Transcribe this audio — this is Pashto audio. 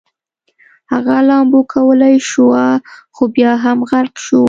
هغه لامبو کولی شوه خو بیا هم غرق شو